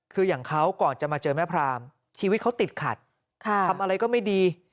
คืออย่างเขาก่อนจะมาเจอแม่พรามชีวิตเขาติดขัดทำอะไรก็ไม่ดี